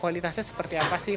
kualitasnya seperti apa sih